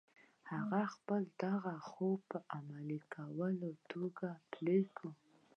هغه خپل دغه خوب په عملي توګه پلی کړ